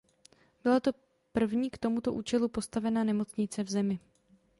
Byla to první k tomuto účelu postavená nemocnice v zemi.